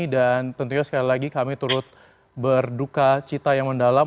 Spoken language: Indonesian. dan tentunya sekali lagi kami turut berduka cita yang mendalam